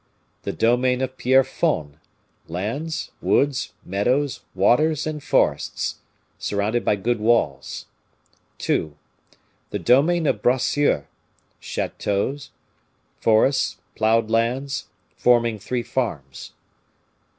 The domain of Pierrefonds, lands, woods, meadows, waters, and forests, surrounded by good walls. "2. The domain of Bracieux, chateaux, forests, plowed lands, forming three farms.